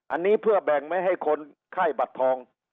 อันนี้เพื่อแบ่งไม่ให้คนไข้บัตรทอง